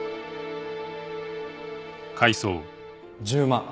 １０万。